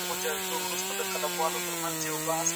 د ژبني تنوع لپاره په نصاب کي پاملرنه نه وه سوي.